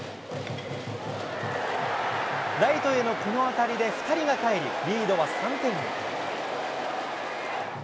ライトへのこの当たりで２人がかえり、リードは３点に。